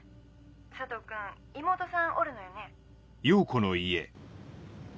佐藤君妹さんおるのよね？